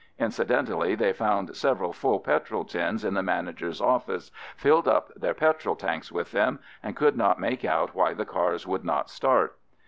Incidentally, they found several full petrol tins in the manager's office, filled up their petrol tanks with them, and could not make out why the cars would not start.